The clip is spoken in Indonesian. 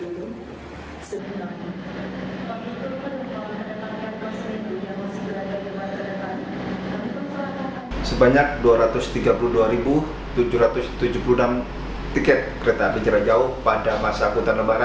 hingga saat ini sudah ada dua ratus tiga puluh dua ribu lebih tiket untuk keberangkatan di masa angkutan lebaran